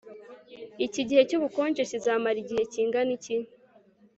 Iki gihe cyubukonje kizamara igihe kingana iki